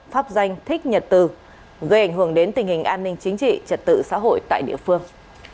pháp danh thích nhật từ gây ảnh hưởng đến tình hình an ninh chính trị trật tự xã hội tại địa phương